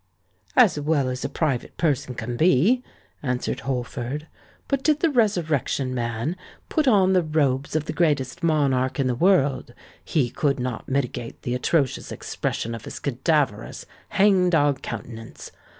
"As well as a private person can be," answered Holford. "But did the Resurrection Man put on the robes of the greatest monarch in the world, he could not mitigate the atrocious expression of his cadaverous—hang dog countenance.